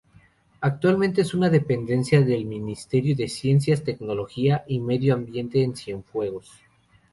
Actualmente es una dependencia del Ministerio de Ciencias, Tecnología y Medio Ambiente en Cienfuegos.